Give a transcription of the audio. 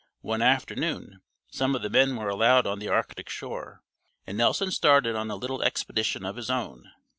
One afternoon some of the men were allowed on the arctic shore, and Nelson started on a little expedition of his own.